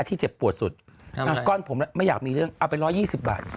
ที่เจ็บปวดสุดงั้นก้อนผมไม่อยากมีเรื่องเอาไปร้อยยี่สิบบาท